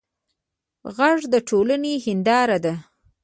غږ د ټولنې هنداره ده